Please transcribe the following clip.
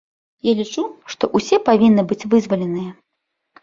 Я лічу, што ўсе павінны быць вызваленыя.